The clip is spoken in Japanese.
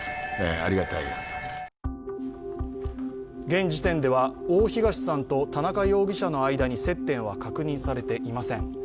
現時点では、大東さんと田中容疑者の間に接点は確認されていません。